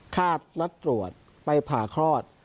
นัดตรวจไปผ่าคลอด